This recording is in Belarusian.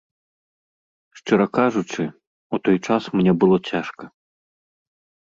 Шчыра кажучы, у той час мне было цяжка.